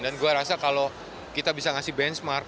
dan gue rasa kalau kita bisa ngasih benchmark